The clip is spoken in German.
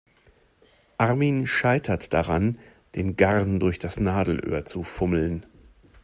Armin scheitert daran, den Garn durch das Nadelöhr zu fummeln.